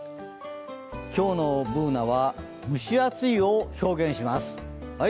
今日のＢｏｏｎａは蒸し暑いを表現します。